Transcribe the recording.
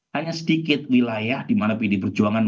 hanya sedikit wilayah di mana pdi perjuangan